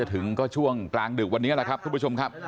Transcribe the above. ถ้าถึงก็ช่วงกลางดึกวันนี้ครับท่านคุณผู้ชมครับ